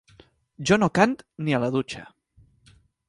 Jo no cant ni a la dutxa.